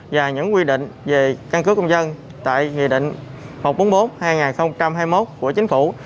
và những quy định về căn cước công dân tại nghị định một trăm bốn mươi bốn hai nghìn hai mươi một của chính phủ